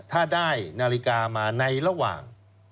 ถ้าได้นาฬิกามาในระหว่าง